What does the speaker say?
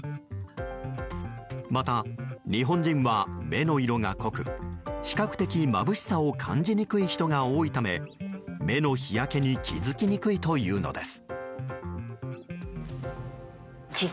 また、日本人は目の色が濃く比較的、まぶしさを感じにくい人が多いため目の日焼けに気づきにくいというのです。